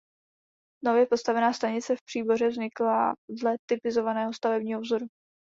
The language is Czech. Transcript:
Nově postavená stanice v Příboře vznikla dle typizovaného stavebního vzoru.